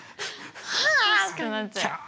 はあってなっちゃう。